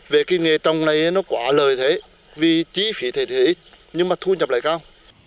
về cái nghề trồng này nó quá lợi thế vì chi phí thời thế ít nhưng mà thu nhập lại cao